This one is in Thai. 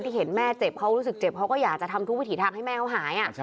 เห็นแม่เจ็บเขารู้สึกเจ็บเขาก็อยากจะทำทุกวิถีทางให้แม่เขาหาย